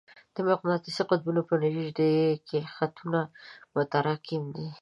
د مقناطیسي قطبونو په نژدې کې خطونه متراکم دي.